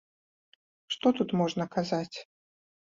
Што тут можна казаць?